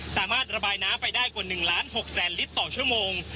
สามารถระบายน้ำไปได้กว่า๑ล้าน๖แสนลิตรต่อชั่วโมง